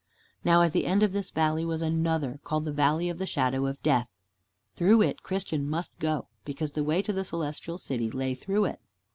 Now at the end of this valley was another, called the Valley of the Shadow of Death. Through it Christian must go, because the way to the Celestial City lay through it.